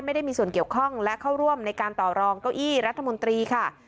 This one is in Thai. ไม่ได้มีส่วนเกี่ยวข้องและเข้าร่วมในการต่อรองเก้าอี้รัฐมนตรีค่ะ